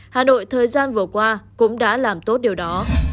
hà nội thời gian vừa qua cũng đã làm tốt điều đó